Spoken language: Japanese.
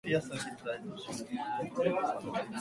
北海道に旅行に行く。